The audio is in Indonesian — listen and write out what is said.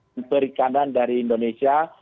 yang diperikan dari indonesia